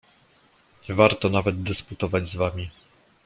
"Nie warto nawet dysputować z wami."